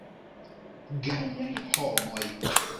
Gajaj homoj.